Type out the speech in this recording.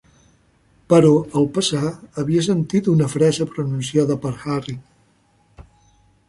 Però al passar havia sentit una frase pronunciada per Harry.